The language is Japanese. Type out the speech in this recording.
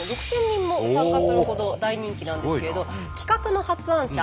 ６，０００人も参加するほど大人気なんですけれど企画の発案者